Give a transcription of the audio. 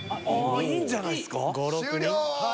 いいんじゃないすか？